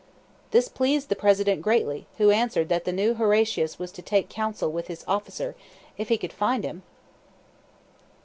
This pleased the President greatly, who answered that the new Horatius was to take counsel with his officer if he could find him!